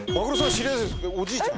知り合いおじいちゃん。